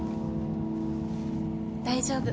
大丈夫。